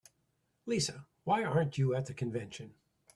Lisa, why aren't you at the convention?